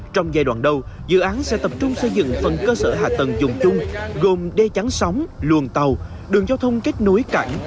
trong giai đoạn đầu dự án sẽ tập trung xây dựng phần cơ sở hạ tầng dùng chung gồm đê chắn sóng luồng tàu đường giao thông kết nối cảng